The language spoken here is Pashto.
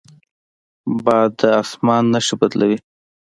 باد د اسمان نښې بدلوي